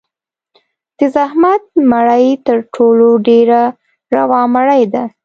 د زحمت مړۍ تر ټولو ډېره روا مړۍ ده.